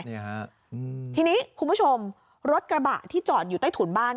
นี่ฮะอืมทีนี้คุณผู้ชมรถกระบะที่จอดอยู่ใต้ถุนบ้าน